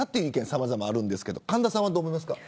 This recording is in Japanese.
さまざまあるんですが神田さんはどうですか。